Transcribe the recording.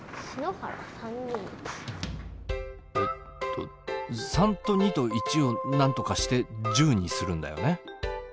えっと３と２と１をなんとかして１０にするんだよね？